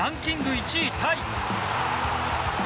１位タイ。